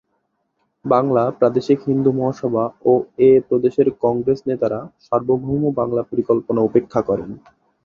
বাংলা প্রাদেশিক হিন্দু মহাসভা ও এ প্রদেশের কংগ্রেস নেতারা সার্বভৌম বাংলা পরিকল্পনা উপেক্ষা করেন।